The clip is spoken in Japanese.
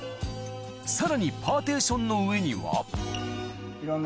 さらにパーテションの上にはいろんな。